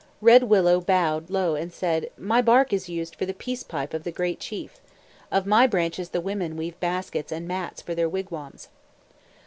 Red Willow bowed low and said, "My bark is used for the peace pipe of the Great Chief. Of my branches the women weave baskets and mats for their wigwams."